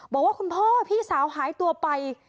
บอกว่าคุณพ่อพี่สาวหายตัวไป